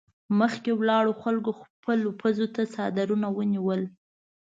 مخکې ولاړو خلکو خپلو پزو ته څادرونه ونيول.